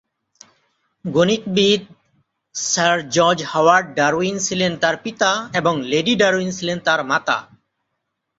গণিতবিদ sir George Howard Darwin ছিলেন তাঁর পিতা এবং লেডি ডারউইন ছিলেন তাঁর মাতা।